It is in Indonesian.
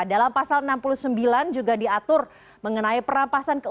dalam pasal enam puluh sembilan juga diatur mengenai perampasan